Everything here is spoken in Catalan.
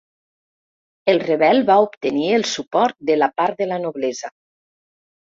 El rebel va obtenir el suport de part de la noblesa.